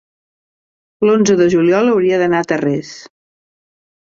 l'onze de juliol hauria d'anar a Tarrés.